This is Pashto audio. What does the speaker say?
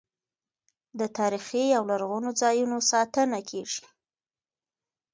د تاریخي او لرغونو ځایونو ساتنه کیږي.